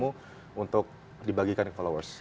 untuk di bagikan ke followers